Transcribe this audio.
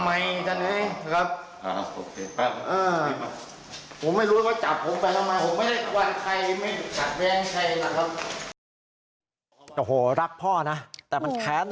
มันไม่ใช่ความแค้นนะครับ